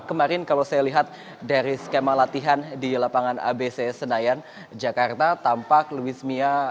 kemarin kalau saya lihat dari skema latihan di lapangan abc senayan jakarta tampak luis mia